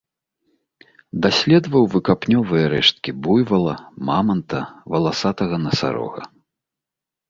Даследаваў выкапнёвыя рэшткі буйвала, маманта, валасатага насарога.